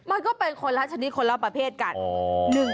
มันก็เป็นคนละชนิดคนละประเภทกัน